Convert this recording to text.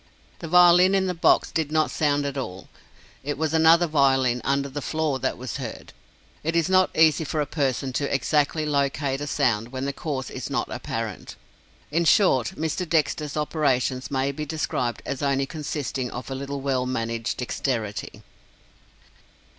The violin in the box did not sound at all. It was another violin, under the floor, that was heard. It is not easy for a person to exactly locate a sound when the cause is not apparent. In short, Mr. Dexter's operations may be described as only consisting of a little well managed Dexterity!